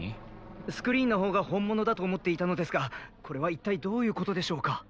スクリーンの方が本物だと思っていたのですがこれは一体どういうことでしょうか？